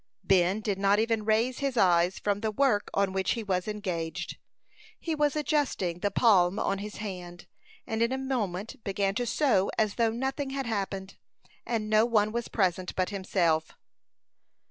Ben did not even raise his eyes from the work on which he was engaged. He was adjusting the palm on his hand, and in a moment began to sew as though nothing had happened, and no one was present but himself.